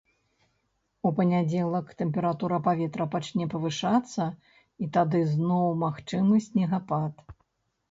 У панядзелак тэмпература паветра пачне павышацца і тады зноў магчымы снегапад.